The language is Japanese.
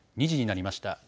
２時になりました。